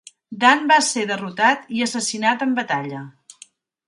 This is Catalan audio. Dan va ser derrotat i assassinat en batalla.